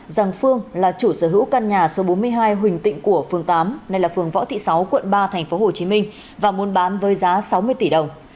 rằng phương là chủ sở hữu căn nhà số bốn mươi hai huỳnh tịnh của phương võ thị sáu quận ba tp hcm và muốn bán với giá sáu mươi tỷ đồng